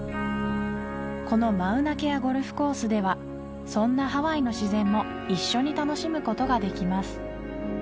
このマウナケアゴルフコースではそんなハワイの自然も一緒に楽しむことができます